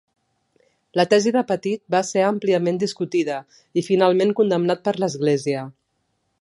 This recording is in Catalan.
La tesi de Petit va ser àmpliament discutida i finalment condemnat per l'Església.